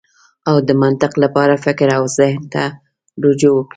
او د منطق لپاره فکر او زهن ته رجوع وکړئ.